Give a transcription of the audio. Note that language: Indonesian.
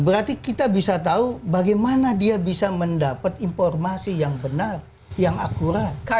berarti kita bisa tahu bagaimana dia bisa mendapat informasi yang benar yang akurat